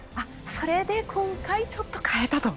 それで今回ちょっと変えたと。